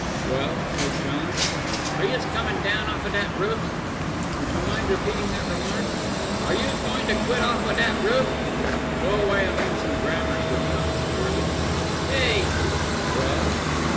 "Well?" said John. "Are youse comin' down off out of dat roof?" "Would you mind repeating that remark?" "Are youse goin' to quit off out of dat roof?" "Go away and learn some grammar," said John severely. "Hey!" "Well?"